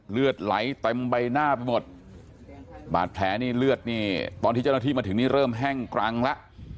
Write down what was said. เลือดไหลเต็มใบหน้าไปหมดบาดแผลนี่เลือดนี่ตอนที่เจ้าหน้าที่มาถึงนี่เริ่มแห้งกรังแล้ว